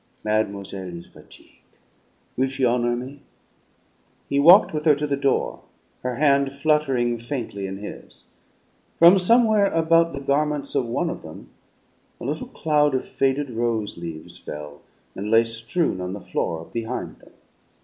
"Mademoiselle is fatigue'. Will she honor me?" He walked with her to the door. Her hand fluttering faintly in his. From somewhere about the garments of one of them a little cloud of faded rose leaves fell, and lay strewn on the floor behind them.